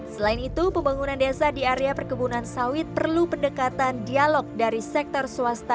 selain itu pembangunan desa di area perkebunan sawit perlu pendekatan dialog dari sektor swasta